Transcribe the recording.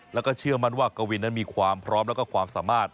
แล้วก็เชื่อมั่นว่ากวินนั้นมีความพร้อมแล้วก็ความสามารถ